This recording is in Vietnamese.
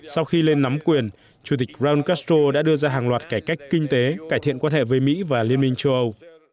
sau khi lên nắm quyền chủ tịch bron castro đã đưa ra hàng loạt cải cách kinh tế cải thiện quan hệ với mỹ và liên minh châu âu